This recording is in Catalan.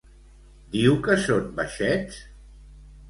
Diu que són baixets?